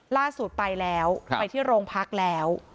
ล่าสุดไปแล้วไปที่โรงพักแล้ว